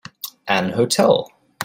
An hotel.